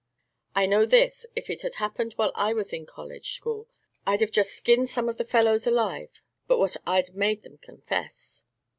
I know this, if it had happened while I was in the college school, I'd just have skinned some of the fellows alive, but what I'd have made them confess."